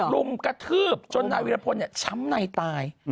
รุมกระทืบจนนายวิรพลช้ำในตาย